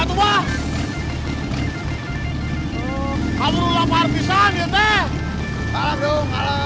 tidak ada yang bisa dipercaya